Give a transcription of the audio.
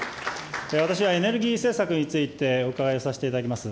私はエネルギー政策について、お伺いをさせていただきます。